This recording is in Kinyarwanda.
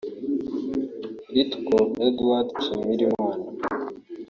Lt Col Edouard Nshimirimana